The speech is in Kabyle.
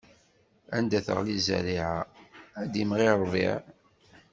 Anda teɣli zzerriɛa, ad d-imɣi ṛṛbiɛ.